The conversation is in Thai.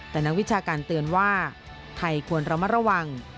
แต่นักวิชาการเตือนว่าไทยควรระมัดระวัง